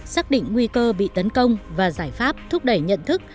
xác định nguy cơ bị tấn công và giải pháp thúc đẩy nhận thức